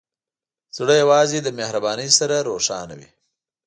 زړه یوازې له مهربانۍ سره روښانه وي.